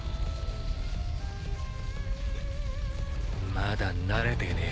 まだ慣れてねえ。